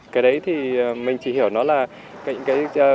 cái đấy thì mình chỉ hiểu nó là cái gốc